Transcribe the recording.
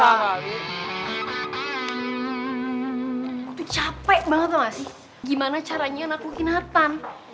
aduh cape banget tau gak sih gimana caranya anak loki nathan